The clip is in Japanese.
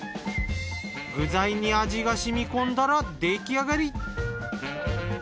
具材に味が染み込んだらできあがり。